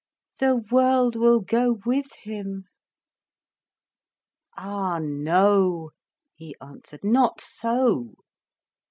"The world will go with him." "Ah no," he answered, "not so.